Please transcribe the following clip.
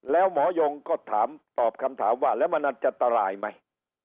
แล้วหมอยงก็ถามตอบคำถามว่าแล้วมันอาจจะตรายไหม